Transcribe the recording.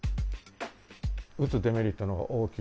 打つデメリットのほうが大きい。